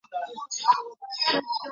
曼彻斯特市中心的东南。